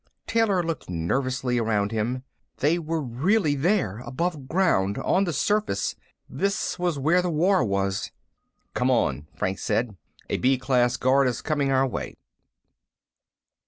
Taylor looked nervously around him. They were really there, above ground, on the surface. This was where the war was. "Come on," Franks said. "A B class guard is coming our way."